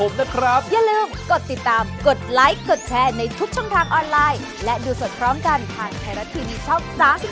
สวัสดีครับ